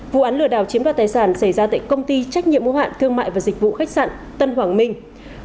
vụ án lừa đảo chiếm đoạt tài sản xảy ra tại công ty trách nhiệm mô hạn thương mại và dịch vụ khách sạn tân hoàng minh